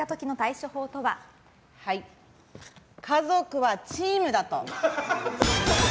家族はチームだと。